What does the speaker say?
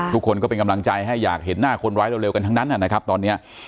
ทุกคนก็เป็นกำลังใจให้อยากเห็นหน้าคนร้ายเร็วกันทั้งนั้นนะครับตอนนี้